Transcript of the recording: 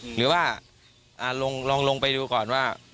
หรือว่าลองลงไปดูก่อนว่า